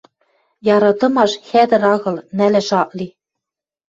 Яратымаш — хӓдӹр агыл, нӓлӓш ак ли